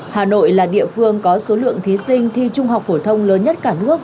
hà nội là địa phương có số lượng thí sinh thi trung học phổ thông lớn nhất cả nước